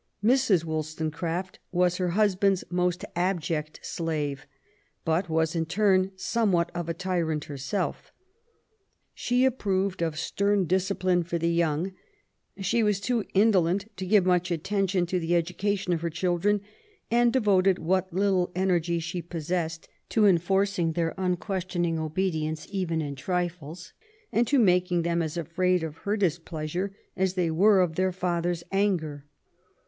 Mrs. Wollstonecraft was her husband's most abject slave^ but was in turn somewhat of a tyrant herself. She approved of stern discipline for the young. She was too indolent to give much attention to the educa tion of her children^ and devoted what little energy she possessed to enforcing their unquestioning obedience even in trifles^ and to making them as afraid of her dis pleasure as they were of their father's anger.